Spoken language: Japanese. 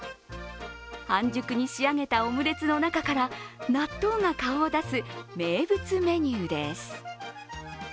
半熟に仕上げたオムレツの中から納豆が顔を出す名物メニューです。